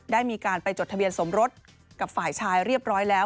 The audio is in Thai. ได้มีการไปจดทะเบียนสมรสกับฝ่ายชายเรียบร้อยแล้ว